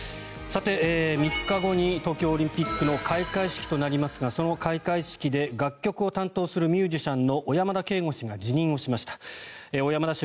３日後に東京オリンピックの開会式となりますがその開会式で楽曲を担当するミュージシャンの小山田圭吾氏が辞任をしました。